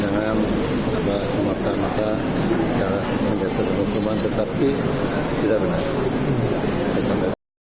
jangan bahas semata mata karena menjadi permukuman tetapi tidak benar